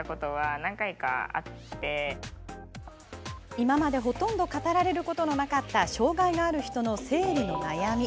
今までほとんど語られることのなかった障害がある人の生理の悩み。